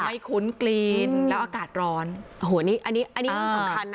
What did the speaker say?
คุ้นกลีนแล้วอากาศร้อนโอ้โหนี่อันนี้อันนี้สำคัญนะ